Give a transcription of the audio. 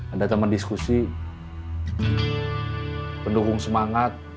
ada teman diskusi pendukung semangat